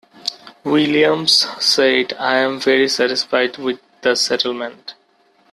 Williams said, I'm very satisfied with the settlement.